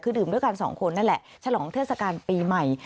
คือดื่มด้วยกันสองคนนั่นแหละฉลองเทศกาลปีใหม่